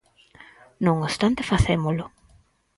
Non obstante facémolo.